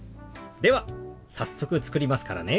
では早速作りますからね。